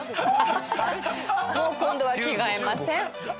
もう今度は着替えません。